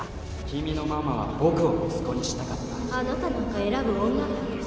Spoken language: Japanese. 君のママは僕を息子にしたかったあなたなんか選ぶ女がいる？